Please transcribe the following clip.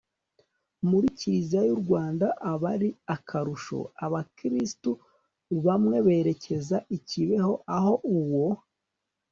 muri kiliziya y'u rwanda aba ari akarusho abakristu bamwe berekeza i kibeho aho uwo